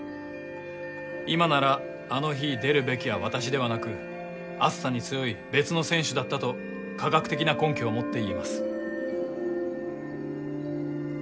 今ならあの日出るべきは私ではなく暑さに強い別の選手だったと科学的な根拠をもって言えます。